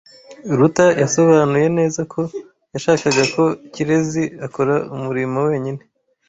Ruta yasobanuye neza ko yashakaga ko Kirezi akora umurimo wenyine.